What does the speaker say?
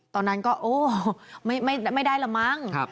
ตอนนั้นก็โอ้ไม่ได้ละมั้ง